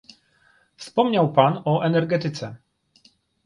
Wspomniał pan o energetyce